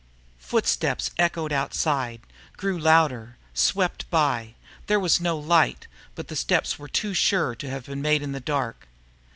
Footsteps echoed outside, grew louder, swept by. There was no light. But the steps were too sure to have been made in the dark.